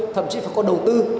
thậm chí phải có đầu tư